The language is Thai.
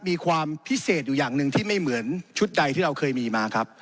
มีความพิเศษอยู่อย่างหนึ่งที่ไม่เหมือนชุดใดที่เราเคยมีมาครับ